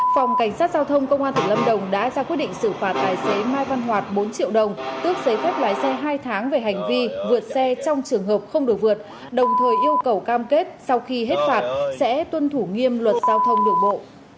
phòng cảnh sát giao thông công an tỉnh lâm đồng đã ra quyết định xử phạt tài xế mai văn hoạt bốn triệu đồng tước giấy phép lái xe hai tháng về hành vi vượt xe trong trường hợp không được vượt đồng thời yêu cầu cam kết sau khi hết phạt sẽ tuân thủ nghiêm luật giao thông đường bộ